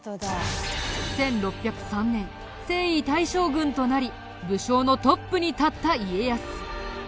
１６０３年征夷大将軍となり武将のトップに立った家康。